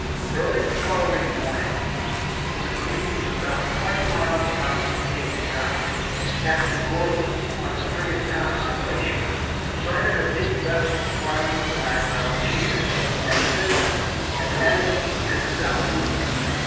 Early the following morning, when the fleet was about twenty miles out from Cape Gata, Captain Gordon, of the frigate Constellation, sighted a big vessel flying the flag of Algiers, and signaled "An enemy to the southeast."